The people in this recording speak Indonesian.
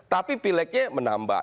tapi pileknya menambah